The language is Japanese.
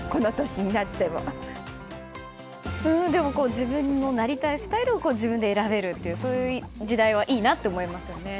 自分のなりたいスタイルを自分で選べるというそういう時代はいいなと思いますよね。